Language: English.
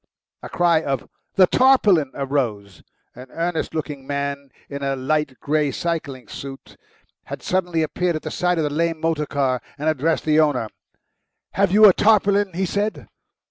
A cry of "The tarpaulin!" arose. An earnest looking man in a very light grey cycling suit had suddenly appeared at the side of the lame motor car and addressed the owner. "Have you a tarpaulin?" he said.